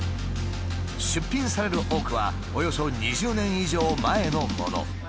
出品される多くはおよそ２０年以上前のもの。